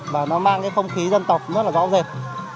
và nó mang cái phong khí dân tộc rất là rõ ràng